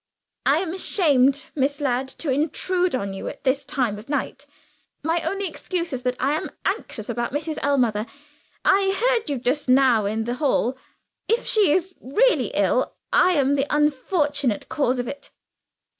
"I am ashamed, Miss Ladd, to intrude on you at this time of night. My only excuse is, that I am anxious about Mrs. Ellmother. I heard you just now in the hall. If she is really ill, I am the unfortunate cause of it."